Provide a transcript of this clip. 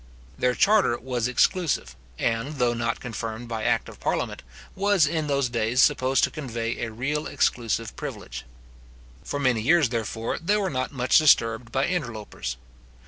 Their charter was exclusive, and, though not confirmed by act of parliament, was in those days supposed to convey a real exclusive privilege. For many years, therefore, they were not much disturbed by interlopers.